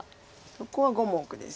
そこは５目です。